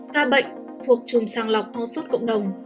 ca bệnh thuộc chùm sàng lọc ho sốt cộng đồng